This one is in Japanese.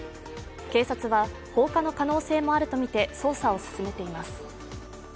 警察は、放火の可能性もあるとみて捜査を進めています。